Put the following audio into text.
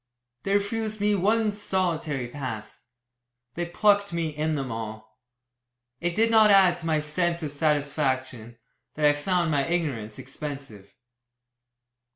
They refused me one solitary "pass." They "plucked" me in them all. It did not add to my sense of satisfaction, that I found my ignorance expensive.